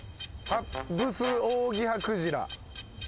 ハッブスオウギハクジラ。